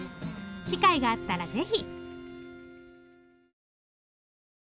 機会があったらぜひ。